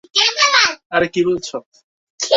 আরে কি বলছো?